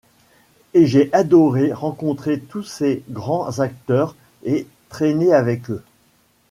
Et j'ai adoré rencontrer tous ces grands acteurs et traîner avec eux.